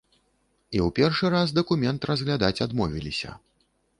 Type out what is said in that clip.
І ў першы раз дакумент разглядаць адмовіліся.